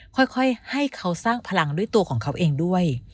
ค่อยให้เขาสร้างพลังด้วยตัวของเขาเองด้วย